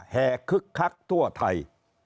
คึกคักทั่วไทย